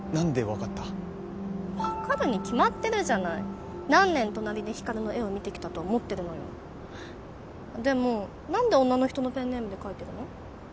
分かるに決まってるじゃない何年隣で光琉の絵を見てきたと思ってるのよでもなんで女の人のペンネームで描いてるの？